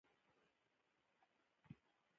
لیاقت یې ثابت کړ.